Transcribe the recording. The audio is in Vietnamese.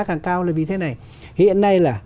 càng cao là vì thế này hiện nay là